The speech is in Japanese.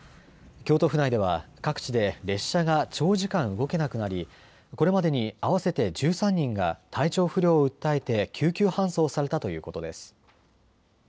京都府内では各地で列車が長時間、動けなくなりこれまでに合わせて１３人が体調不良を訴えて救急搬送されたということです。